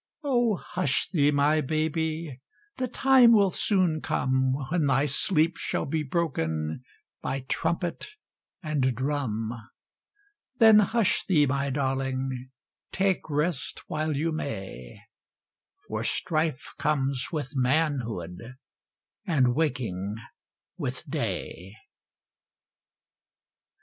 O hush thee, my baby, the time will soon come, When thy sleep shall be broken by trumpet and drum; Then hush thee, my darling, take rest while you may, For strife comes with manhood, and waking with day.